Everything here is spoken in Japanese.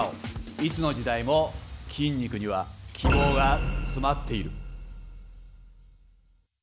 いつの時代も筋肉には希望がつまっている。